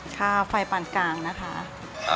ค่าไฟปานกลางนะคะ